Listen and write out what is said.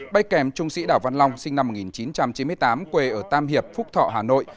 bay kèm trung sĩ đào văn long sinh năm một nghìn chín trăm chín mươi tám quê ở tam hiệp phúc thọ hà nội